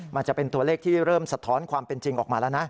มันจะเป็นตัวเลขที่เริ่มสะท้อนความเป็นจริงออกมาแล้วนะ